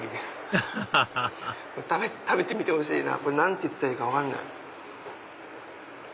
アハハハ食べてみてほしいなぁ何て言ったらいいか分からない。